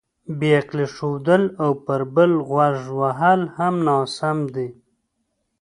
بې علاقې ښودل او پر بل غوږ وهل هم ناسم دي.